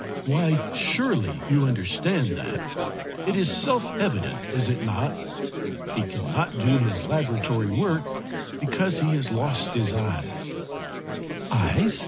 "Why surely you understand that. It is self evident, is it not? He cannot do his laboratory work because he has lost his eyes."